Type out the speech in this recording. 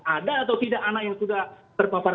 ada atau tidak anak yang sudah terpapar